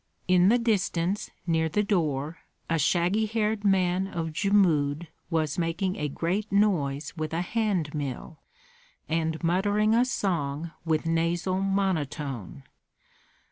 In the distance, near the door, a shaggy haired man of Jmud was making a great noise with a hand mill, and muttering a song with nasal monotone.